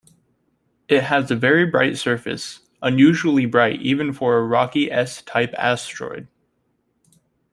It has a very bright surface, unusually bright even for a rocky S-type asteroid.